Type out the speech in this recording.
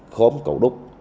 khóm cầu đúc